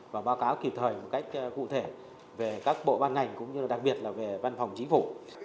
và báo cáo kịp thời một cách cụ thể về các bộ ban ngành cũng như là đặc biệt là về văn phòng chính phủ